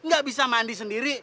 gak bisa mandi sendiri